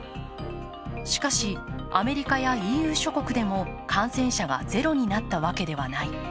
しかし、アメリカやＥＵ諸国でも感染者がゼロになったわけではない。